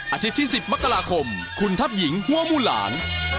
อาทิตย์ที่๑๐มกราคมคุณทัพหญิงหัวมูหลาน